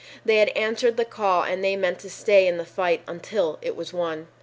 They had answered the call and they meant to stay in the fight until it was won.